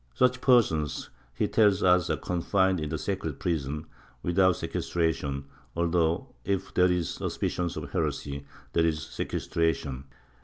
Such persons, he tells us are confined in the secret prison, without sequestration, although, if there is suspicion of heresy, there is sequestration.